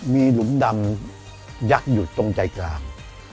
มีหลุมดำยักษ์อยู่ตรงใจกลาง